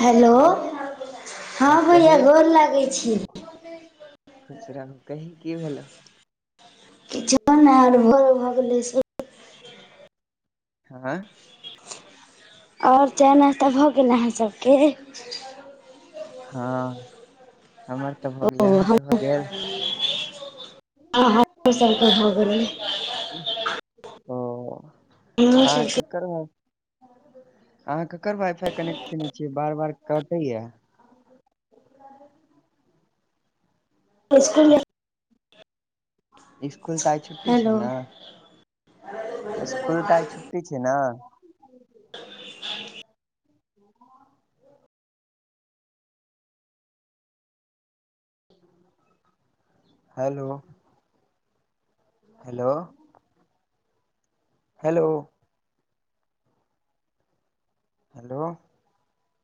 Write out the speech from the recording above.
Hello हँ हँ भैया कही गोर लागै छी। खुश रह कही की भेलो? किछो नहि आरर भ गेलै से हाँआँ आओर चाय नासता भऽ गेल अहाँसभके हँ हमर तऽ भऽ गेलै ओ अहाँके के भऽ गेल ह सक होल [unintelligible] ओ हमरो आहाँक सबके अहाँ ककर वाइ फाई कनेक्ट केने छियै बार बार कटैया इसकुल [unintelligible] इसकुल तऽ आइ छुट्टी छै हेलो ने इसकुल तऽ आइ छु छै ने [unintelligible] हैलो हेलो हेलो हेलो